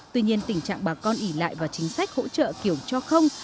tuy nhiên tình trạng bà con ỉ lại vào chính sách hỗ trợ kiểu cho không